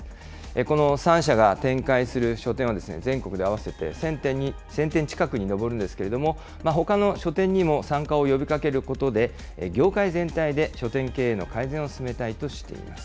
この３社が展開する書店は、全国で合わせて１０００店近くに上るんですけれども、ほかの書店にも参加を呼びかけることで、業界全体で書店経営の改善を進めたいとしています。